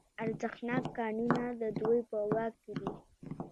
ارزښتناک کانونه د دوی په واک کې دي